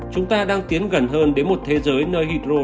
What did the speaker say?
chúng ta đang tiến gần hơn đến một thế giới nơi hydro